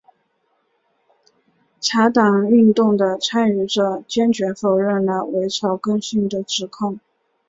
茶党运动的参与者坚决否认了伪草根性的指控。